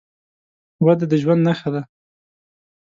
وده د ژوند نښه ده.